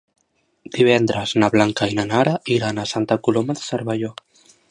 Divendres na Blanca i na Nara iran a Santa Coloma de Cervelló.